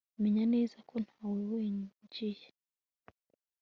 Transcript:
menya neza ko ntawe winjiye